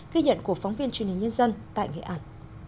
ghi nhận của phóng viên truyền hình nhân dân tại nghệ an